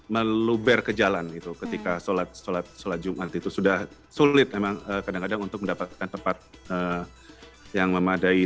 meluber ke jalan itu ketika sholat jumat itu sudah sulit memang kadang kadang untuk mendapatkan tempat yang memadai